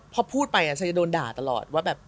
พอพูดไปฉันจะโดนด่าตลอดว่าแบบ